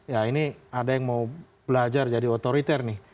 ya ini ada yang mau belajar jadi otoriter nih